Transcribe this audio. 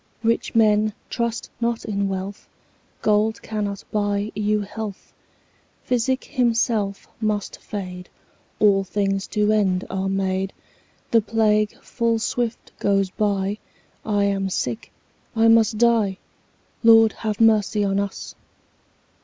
Rich men, trust not in wealth, Gold cannot buy you health; Physic himself must fade; 10 All things to end are made; The plague full swift goes by; I am sick, I must die— Lord, have mercy on us!